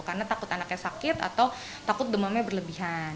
karena takut anaknya sakit atau takut demamnya berlebihan